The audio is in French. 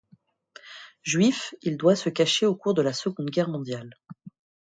Juif, il doit se cacher au cours de la Seconde Guerre mondiale.